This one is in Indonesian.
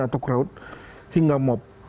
atau crowd hingga mob